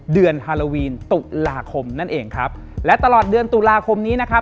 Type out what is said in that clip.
ฮาโลวีนตุลาคมนั่นเองครับและตลอดเดือนตุลาคมนี้นะครับ